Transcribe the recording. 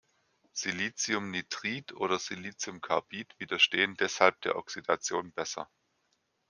Siliciumnitrid oder Siliciumcarbid widerstehen deshalb der Oxidation besser.